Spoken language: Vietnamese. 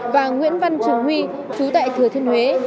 và nguyễn văn trường huy chú tại thừa thiên huế